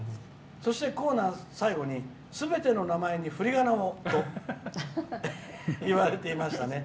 そして、コーナー最後にすべての名前にふりがなをと言われていましたね。